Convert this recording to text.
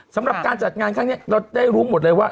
สำหรับการจัดงานครั้งนี้เราได้รู้หมดเลยว่า